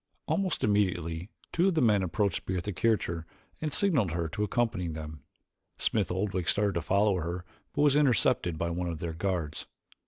Almost immediately two of the men approached Bertha Kircher and signaled her to accompany them. Smith Oldwick started to follow her but was intercepted by one of their guards.